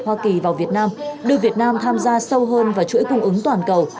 hoa kỳ vào việt nam đưa việt nam tham gia sâu hơn vào chuỗi cung ứng toàn cầu